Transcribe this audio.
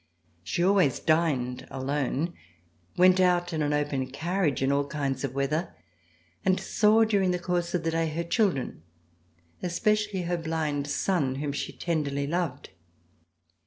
She always dined alone, went out in an open carriage in all kinds of weather, and saw, during the course of the day, her children, especially her blind son whom she tenderly loved.